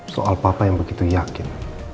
soal papa yang begitu yakin